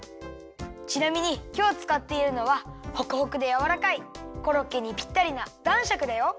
ちなみにきょうつかっているのはホクホクでやわらかいコロッケにぴったりなだんしゃくだよ。